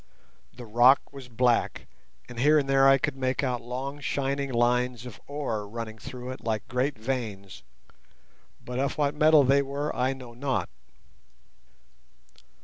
The rock was black, and here and there I could make out long shining lines of ore running through it like great veins, but of what metal they were I know not.